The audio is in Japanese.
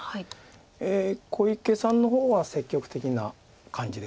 小池さんの方は積極的な感じですか。